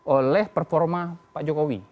oleh performa pak jokowi